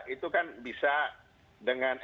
itu kan bisa dengan